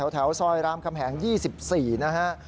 แถวซอยรามคำแหง๒๔นะฮะ